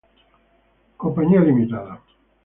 Co, Ltd.